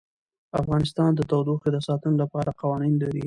افغانستان د تودوخه د ساتنې لپاره قوانین لري.